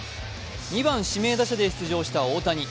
２番・指名打者で出場した大谷。